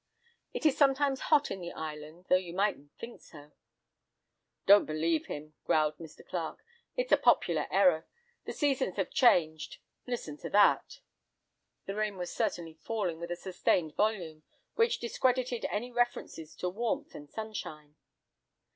It is sometimes hot in the island, though you mightn't think so." "Don't believe him," growled Mr. Clarke; "it's a popular error. The seasons have changed. Listen to that!" The rain was certainly falling with a sustained volume, which discredited any references to warmth and sunshine.